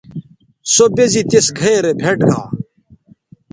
سو بے زی تِس گھئے رے بھئیٹ گا